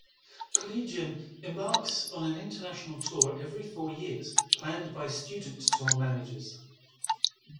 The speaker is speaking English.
Collegium embarks on an international tour every four years, planned by student tour managers.